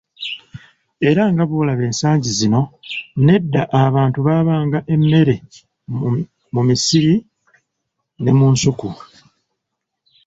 "Era nga bw’olaba ensangi zino, n’edda abantu babbanga emmere mu misiri ne mu nsuku."